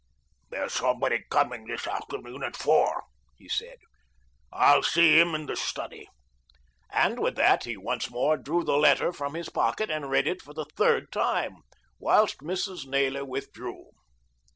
"There's somebody coming this afternoon at four," he said. "I'll see him in the study," and with that he once more drew the letter from his pocket and read it for the third time, whilst Mrs. Naylor withdrew.